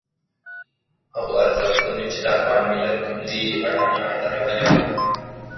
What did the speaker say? هغو ارزښتونو چې د افغان ملت ملي اډانه درولې وه.